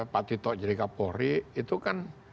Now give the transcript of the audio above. pak tito jerika pohri itu kan